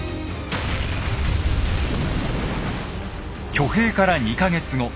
挙兵から２か月後。